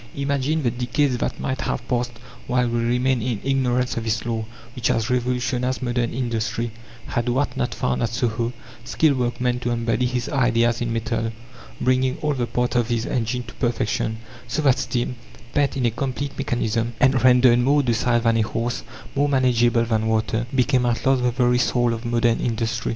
Imagine the decades that might have passed while we remained in ignorance of this law, which has revolutionized modern industry, had Watt not found at Soho skilled workmen to embody his ideas in metal, bringing all the parts of his engine to perfection, so that steam, pent in a complete mechanism, and rendered more docile than a horse, more manageable than water, became at last the very soul of modern industry.